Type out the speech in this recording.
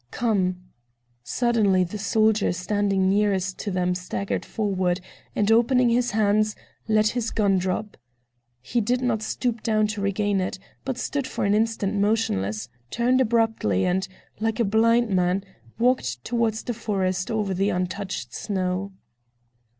"Come!" Suddenly the soldier standing nearest them staggered forward, and opening his hands, let his gun drop. He did not stoop down to regain it, but stood for an instant motionless, turned abruptly and, like a blind man, walked toward the forest over the untouched snow.